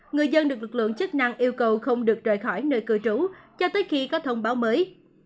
người dân được lực lượng chức năng yêu cầu không được rời khỏi nơi cư trú cho tới khi có thông báo mới